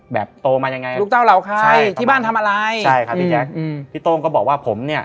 แบบโตมาอย่างไรที่บ้านทำอะไรพี่แจ็กพี่โต้งก็บอกว่า